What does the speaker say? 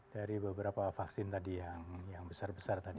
dari beberapa vaksin tadi yang besar besar tadi